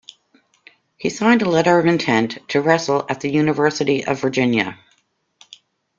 He signed a letter of intent to wrestle at the University of Virginia.